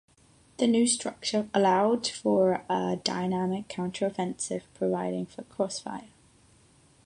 The new structure allowed for a dynamic counter-offensive, providing for cross-fire.